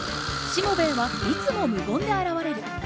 しもべえはいつも無言で現れる。